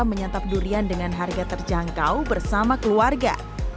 menyantap durian dengan harga terjangkau bersama keluarga